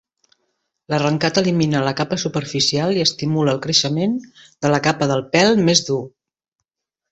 L'arrencat elimina la capa superficial i estimula el creixement de la capa de pèl més dur.